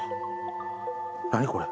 何これ？